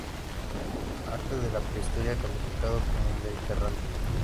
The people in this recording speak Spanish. Arte de la Prehistoria calificado como "mediterráneo".